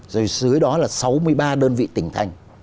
rồi dưới đó là sáu mươi ba đơn vị tỉnh thành